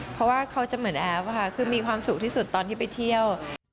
เพราะว่าเขาจะเหมือนแอฟค่ะคือมีความสุขที่สุดตอนที่ไปเที่ยว